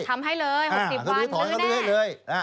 ทำให้เลย๖๐วันลื้อแน่